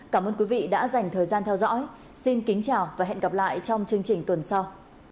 cảm ơn quý vị đã dành thời gian theo dõi xin kính chào và hẹn gặp lại trong chương trình tuần sau